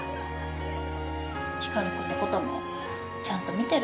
光くんのこともちゃんと見てる？